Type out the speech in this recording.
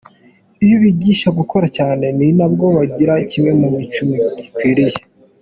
Iyo ubigisha gukora cyane ni nabwo bagira kimwe cya cumi gikwiriye.